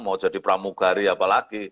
mau jadi pramugari apa lagi